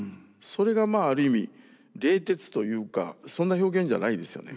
それがまあある意味冷徹というかそんな表現じゃないですよね